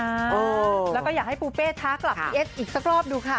แล้วก็อยากให้ปูเป้ท้ากลับพี่เอสอีกสักรอบดูค่ะ